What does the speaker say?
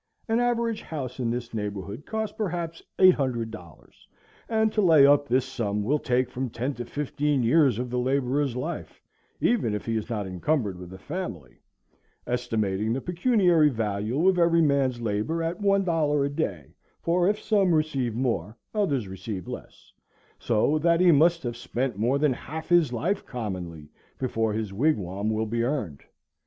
An average house in this neighborhood costs perhaps eight hundred dollars, and to lay up this sum will take from ten to fifteen years of the laborer's life, even if he is not encumbered with a family;—estimating the pecuniary value of every man's labor at one dollar a day, for if some receive more, others receive less;—so that he must have spent more than half his life commonly before his wigwam will be earned.